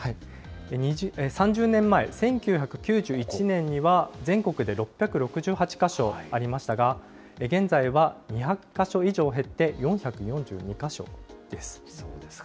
３０年前、１９９１年には全国で６６８か所ありましたが、現在は２００か所以上減って４４２か所です。